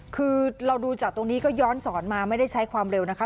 คือเราดูจากตรงนี้ก็ย้อนสอนมาไม่ได้ใช้ความเร็วนะคะ